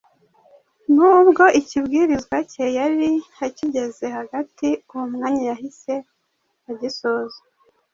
Nubwo ikibwirizwa cye yari akigeze hagati, uwo mwanya yahise agisoza.